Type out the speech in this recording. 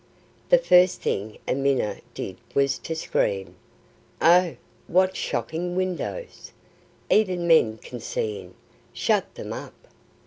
The first thing Amina did was to scream, "Oh, what shocking windows! even men can see in; shut them up."